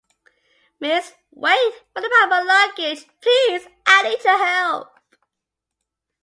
Miss wait, what about my luggage? Please, I need your help!